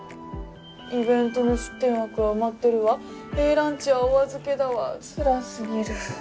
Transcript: イベントの出展枠は埋まってるわＡランチはお預けだわつら過ぎる。